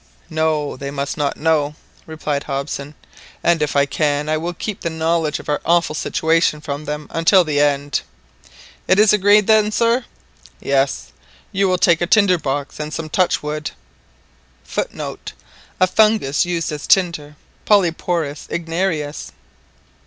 "No, they must not know," replied Hobson, "and if I can, I will keep the knowledge of our awful situation from them until the end." "It is agreed then, sir?" "Yes. You will take a tinder box and some touchwood [Footnote: A fungus used as tinder (Polyporous igniarius).